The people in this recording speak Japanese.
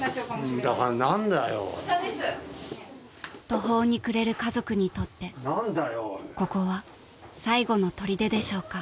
［途方に暮れる家族にとってここは最後のとりででしょうか］